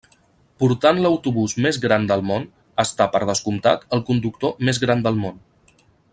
Portant l'autobús més gran del món està, per descomptat, el conductor més gran del món.